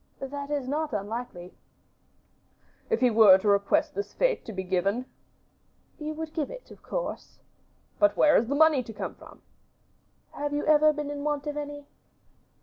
"That is not unlikely." "If he were to request this fete to be given?" "You would give it, of course." "But where is the money to come from?" "Have you ever been in want of any?"